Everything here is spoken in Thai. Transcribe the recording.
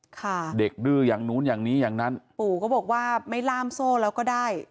ค่ะเด็กดื้ออย่างนู้นอย่างนี้อย่างนั้นปู่ก็บอกว่าไม่ล่ามโซ่แล้วก็ได้